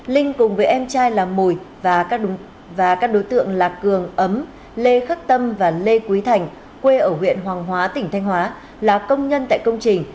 linh cùng với em trai là mùi và các đối tượng là cường ấm lê khắc tâm và lê quý thành quê ở huyện hoàng hóa tỉnh thanh hóa là công nhân tại công trình